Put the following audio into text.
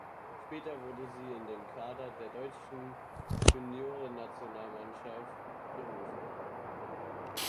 Später wurde sie in den Kader der deutschen Juniorinnennationalmannschaft berufen.